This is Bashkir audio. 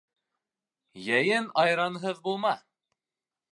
Йәйен айранһыҙ булма